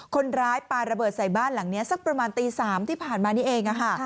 คนร้ายปลาระเบิดใส่บ้านหลังนี้สักประมาณตี๓ที่ผ่านมานี่เอง